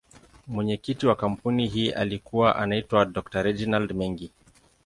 Mwenyekiti wa kampuni hii alikuwa anaitwa Dr.Reginald Mengi.